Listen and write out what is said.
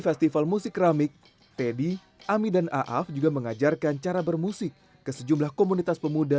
ketika masa penjajahan belanda